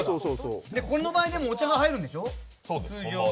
この場合、でもお茶が入るんでしょう？